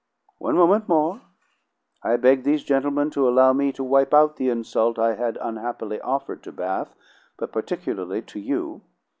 "One moment more. I begged these gentlemen to allow me to wipe out the insult I had unhappily offered to Bath, but particularly to you.